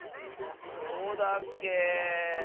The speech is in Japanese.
どうだっけ。